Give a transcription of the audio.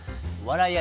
笑い